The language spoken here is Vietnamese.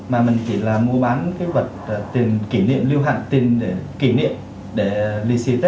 mà mình chỉ là mua bán cái vật tiền kỷ niệm lưu hành tiền kỷ niệm để lì xì tết thôi